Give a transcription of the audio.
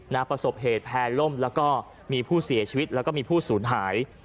ประสบเหตุแพร่ล่มแล้วก็มีผู้เสียชีวิตแล้วก็มีผู้สูญหาย